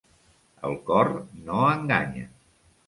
El cor no enganya.